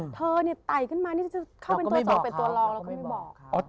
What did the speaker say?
เธอเนี่ยไต่ขึ้นมานี่จะเข้าเป็นตัวสองเป็นตัวรองแล้วก็ไม่บอก